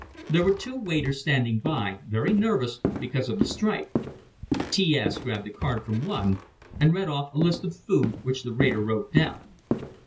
There were two waiters standing by, very nervous, because of the strike. T S grabbed the card from one, and read off a list of food, which the waiter wrote down.